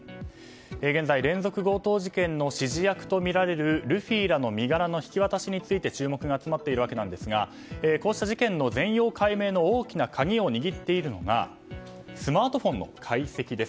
現在、連続強盗事件の指示役とみられるルフィらの身柄の引き渡しに注目が集まっているわけですがこうした事件の全容解明の大きな鍵を握っているのがスマートフォンの解析です。